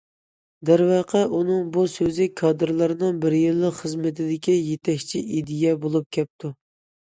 دەرۋەقە، ئۇنىڭ بۇ سۆزى كادىرلارنىڭ بىر يىللىق خىزمىتىدىكى‹‹ يېتەكچى ئىدىيە›› بولۇپ كەپتۇ.